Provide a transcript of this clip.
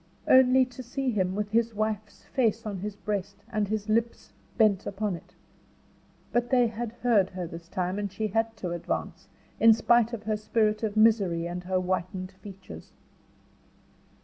Only to see him with his wife's face on his breast, and his lips bent upon it. But they had heard her this time, and she had to advance, in spite of her spirit of misery and her whitened features.